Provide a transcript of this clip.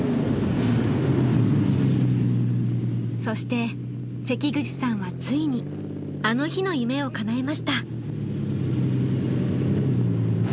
そして関口さんはついに「あの日」の夢をかなえました。